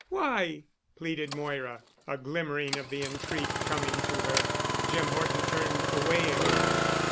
Why?" pleaded Moira, a glimmering of the intrigue coming to her. Jim Horton turned away again.